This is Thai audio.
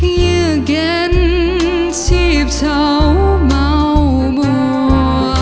เยื่อเก็นชีพเฉาเหมามัว